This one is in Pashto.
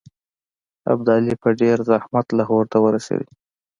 ابدالي په ډېر زحمت لاهور ته ورسېدی.